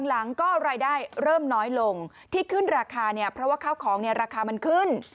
หลังก็รายได้เริ่มน้อยลงที่ขึ้นราคาเนี่ยเพราะว่าข้าวของเนี่ยราคามันขึ้น